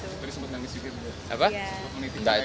tadi sempat nangis juga